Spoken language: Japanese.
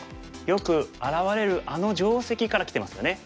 よく現れるあの定石からきてますよね。